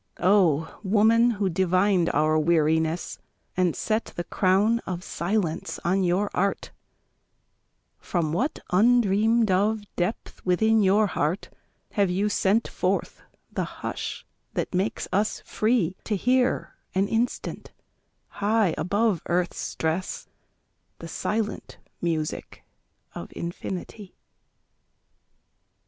O woman who divined our weariness, And set the crown of silence on your art, From what undreamed of depth within your heart Have you sent forth the hush that makes us free To hear an instant, high above earth's stress, The silent music of infinity?